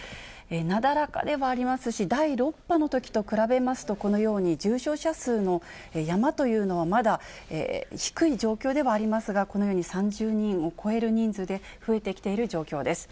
なだらかではありますし、第６波のときと比べますと、このように重症者数の山というのはまだ低い状況ではありますが、このように３０人を超える人数で、増えてきている状況です。